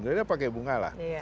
jadi dia pakai bunga lah